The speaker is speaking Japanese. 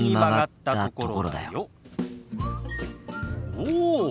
おお！